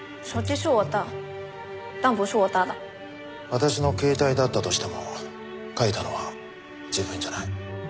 私の携帯だったとしても書いたのは自分じゃない。